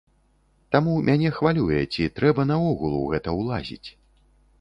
Таму мяне хвалюе, ці трэба наогул у гэта ўлазіць?